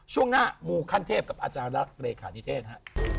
ช่วงหน้ามูขั้นเทพกับอาจารย์รักเลขานิเทศฮะ